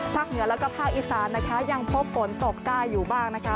เหนือแล้วก็ภาคอีสานนะคะยังพบฝนตกได้อยู่บ้างนะคะ